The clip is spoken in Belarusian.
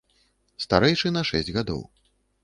Старэйшы на шэсць гадоў.